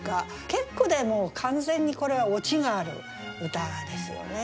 結句でもう完全にこれはオチがある歌ですよね。